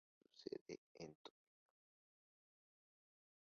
Tiene su sede en Topeka.